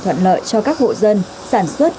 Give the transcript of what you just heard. thuận lợi cho các hộ dân sản xuất